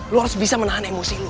lo harus bisa menahan emosi lo